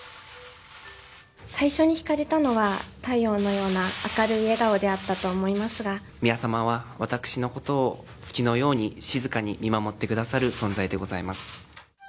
最初にひかれたのは、太陽のような明るい笑顔であったと思い宮さまは、私のことを月のように静かに見守ってくださる存在でございます。